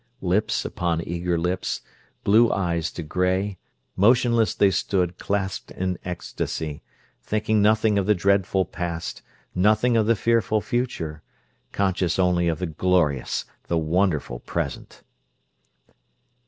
Lips upon eager lips, blue eyes to gray, motionless they stood clasped in ecstasy; thinking nothing of the dreadful past, nothing of the fearful future, conscious only of the glorious, the wonderful present.